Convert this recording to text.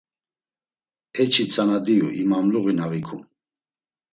Eçi tzana diyu imamluği na vikum.